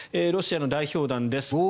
ロシアの代表団です。